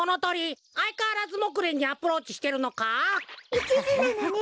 いちずなのね！